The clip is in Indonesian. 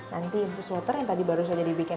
nanti infus water yang tadi baru saja dibikin